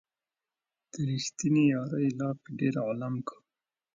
د ريښتينې يارۍ لاپې ډېر عالم کا